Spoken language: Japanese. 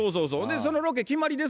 そのロケ決まりです